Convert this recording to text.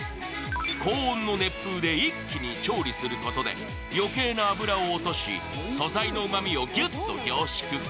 高温の熱風で一気に調理することで、余計な油を落とし、素材のうまみをギュッと凝縮。